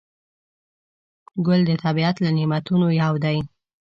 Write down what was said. ګل د طبیعت له نعمتونو یو دی.